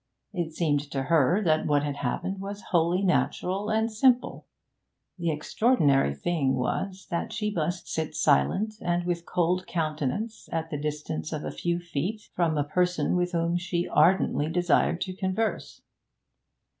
It seemed to her that what had happened was wholly natural and simple. The extraordinary thing was that she must sit silent and with cold countenance at the distance of a few feet from a person with whom she ardently desired to converse.